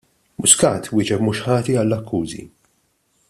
Muscat wieġeb mhux ħati għall-akkużi.